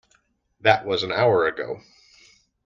That was an hour ago!